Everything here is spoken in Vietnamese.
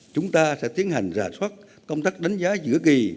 chúng ta sẽ tiến hành rà soát công tác đánh giá giữa kỳ